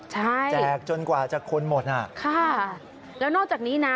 ใช่ค่ะแล้วนอกจากนี้นะ